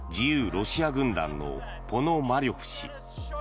ロシア軍団のポノマリョフ氏。